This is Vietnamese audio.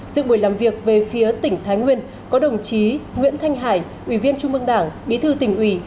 dự buổi làm việc về phía tỉnh thái nguyên có đồng chí nguyễn thanh hải ủy viên trung mương đảng bí thư tỉnh ủy